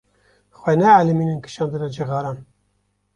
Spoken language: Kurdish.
Xwe neelîmînin kişandina cixaran.